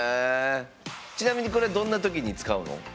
ちなみにこれどんなときに使うの？